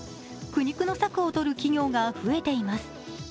苦肉の策をとる企業が増えています。